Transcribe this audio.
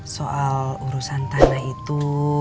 soal urusan tanah itu